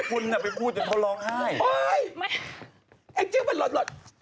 ก็หนูก็ส่งสิ้งเสร็จให้พี่พูดแล้ว